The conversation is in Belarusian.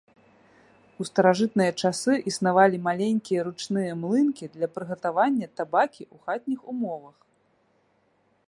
У старажытныя часы існавалі маленькія ручныя млынкі для прыгатавання табакі ў хатніх умовах.